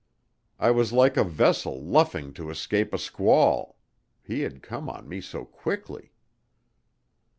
I was like a vessel luffing to escape a squall, he had come on me so quickly.